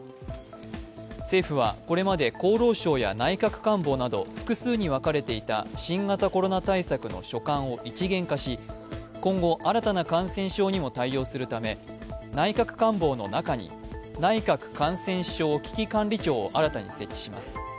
政府はこれまで厚労省や内閣官房など複数に分かれていた新型コロナ対策の所管を一元化し今後、新たな感染症にも対応するため内閣官房の中に内閣感染症危機管理庁を新たに設置します。